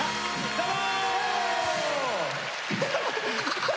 どうも！